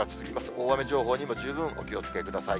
大雨情報にも十分お気をつけください。